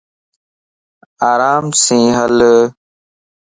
آرام سين ھل